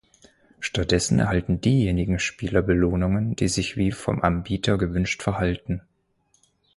Stattdessen erhalten diejenigen Spieler Belohnungen, die sich wie vom Anbieter gewünscht verhalten.